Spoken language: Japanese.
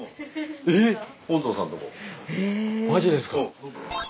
マジですか？